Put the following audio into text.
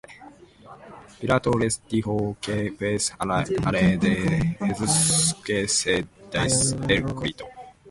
Pilato les dijo: ¿Qué pues haré de Jesús que se dice el Cristo?